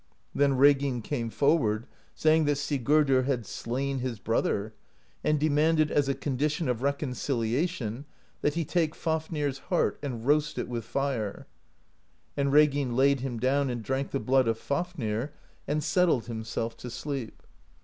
"Then Reginn came forward, saying that Sigurdr had slain his brother, and demanded as a condition of reconcilia tion that he take Fafnir's heart and roast it with fire; and Reginn laid him down and drank the blood of Fafnir, and settled himself to sleep.